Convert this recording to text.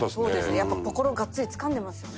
やっぱ心をがっつりつかんでますよね。